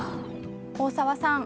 大沢さん